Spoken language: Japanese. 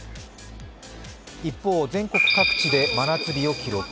一方、全国各地で真夏日を記録。